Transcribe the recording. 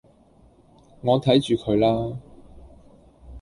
我睇住佢啦